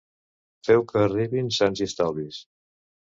Feu que arribin sans i estalvis.